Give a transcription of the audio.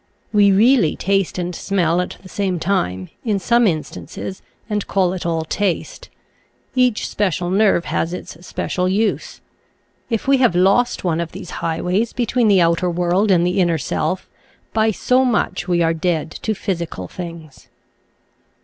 We really taste and smell at the same time, in some instances, and call it all taste. Each special nerve has its special use. If we have lost one of these highways between the outer world and the inner self, by so much we are dead to physical things.